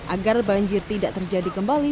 agar banjir tidak terjadi kembali